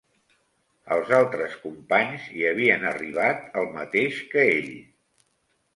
Els altres companys hi havien arribat el mateix que ell.